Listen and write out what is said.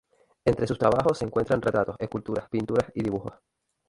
Entre sus trabajos se encuentran retratos, esculturas, pinturas y dibujos.